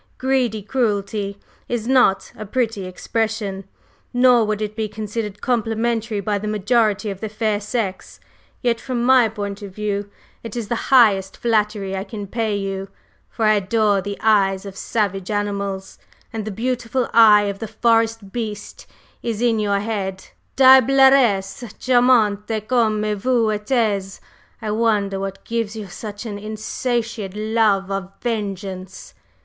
'Greedy cruelty' is not a pretty expression, nor would it be considered complimentary by the majority of the fair sex. Yet, from my point of view, it is the highest flattery I can pay you, for I adore the eyes of savage animals, and the beautiful eye of the forest beast is in your head, diableresse charmante comme vous êtes! I wonder what gives you such an insatiate love of vengeance?"